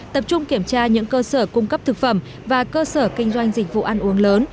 tập trung kiểm tra những cơ sở cung cấp thực phẩm và cơ sở kinh doanh dịch vụ ăn uống lớn